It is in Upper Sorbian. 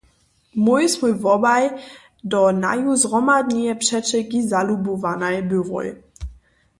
Mój smój wobaj do naju zhromadneje přećelki zalubowanaj byłoj.